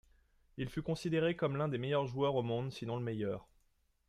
Il fut considéré comme l'un des meilleurs joueurs au monde, sinon le meilleur.